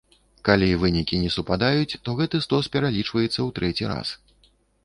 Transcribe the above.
Калі вынікі не супадаюць, то гэты стос пералічваецца ў трэці раз.